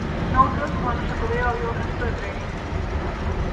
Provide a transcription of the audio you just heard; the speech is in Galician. Noutros, o Ano Xacobeo aviva o tránsito de peregrinos.